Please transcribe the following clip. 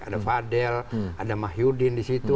ada fadel ada mahyudin di situ